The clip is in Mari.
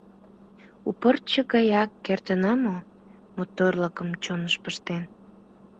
У пырче гаяк кертына мо моторлыкым чоныш пыштен?